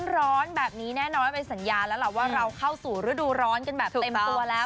ร้อนแบบนี้แน่นอนเป็นสัญญาแล้วล่ะว่าเราเข้าสู่ฤดูร้อนกันแบบเต็มตัวแล้ว